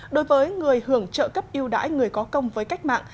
đối với người hưởng trợ cấp yêu đãi người có công với cách mạng